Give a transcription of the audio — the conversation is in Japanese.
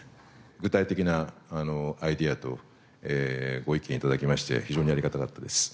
具体的なアイデアとご意見頂きまして非常にありがたかったです。